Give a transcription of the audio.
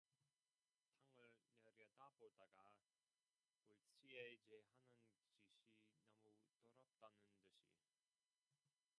땅을 내려다보다가 불시에 제 하는 짓이 너무 더럽다는 듯이